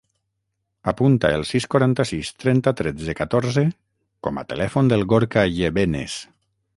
Apunta el sis, quaranta-sis, trenta, tretze, catorze com a telèfon del Gorka Yebenes.